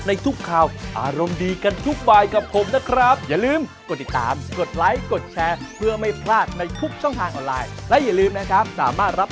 ในการติดตามกันได้นะครับ